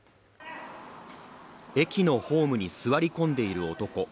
駅のホームに座り込んでいる男。